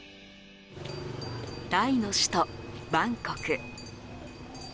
タイの首都バンコク。